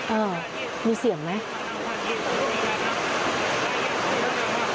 เออมีเสียงไหม